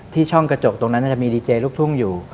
ช่องกระจกตรงนั้นจะมีดีเจลูกทุ่งอยู่